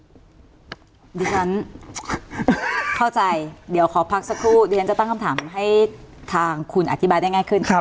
ดิฉันเข้าใจเดี๋ยวขอพักสักครู่เดี๋ยวฉันจะตั้งคำถามให้ทางคุณอธิบายได้ง่ายขึ้น